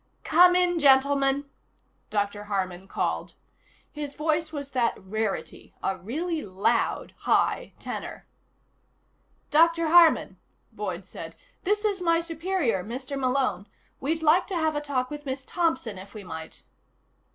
"Come in, gentlemen," Dr. Harman called. His voice was that rarity, a really loud high tenor. "Dr. Harman," Boyd said, "this is my superior, Mr. Malone. We'd like to have a talk with Miss Thompson, if we might."